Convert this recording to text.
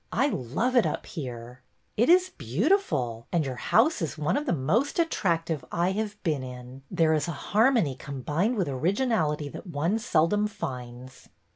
I love it up here." It is beautiful. And your house is one of the most attractive I have been in. There is a har mony combined with originality that one seldom finds."